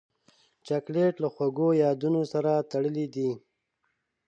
چاکلېټ له خوږو یادونو سره تړلی دی.